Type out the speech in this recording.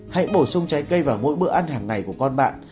hãy bổ sung trái cây vào mỗi bữa ăn hàng ngày của con bạn